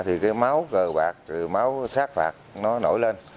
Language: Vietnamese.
thì cái máu cờ bạc cái máu sát bạc nó nổi lên